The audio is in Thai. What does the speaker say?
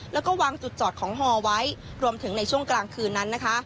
แล้วก็วางจุดจอดของฮอไว้รวมถึงในช่วงกลางคืนนั้นนะคะ